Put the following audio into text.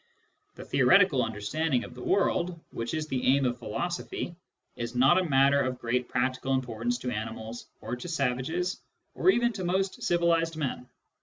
The theoretical understanding of the world, which is the aim of philosophy, is not a matter of great practical importance to animals, or to savages, or even to most civilised men.